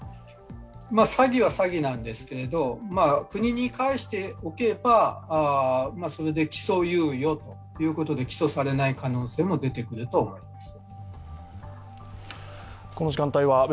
詐欺は詐欺なんですけれども、国に返しておけば起訴猶予ということで起訴されない可能性も出てくると思います。